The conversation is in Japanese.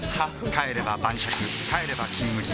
帰れば晩酌帰れば「金麦」